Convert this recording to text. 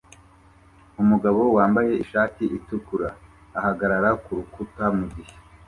Umugabo wambaye ishati itukura ahagarara kurukuta mugihe